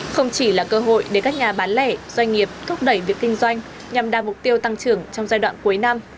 không chỉ là cơ hội để các nhà bán lẻ doanh nghiệp thúc đẩy việc kinh doanh nhằm đạt mục tiêu tăng trưởng trong giai đoạn cuối năm